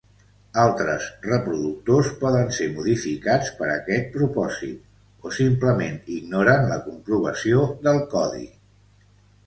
Altres reproductors poden ser modificats per aquest propòsit o simplement ignoren la comprovació del codi.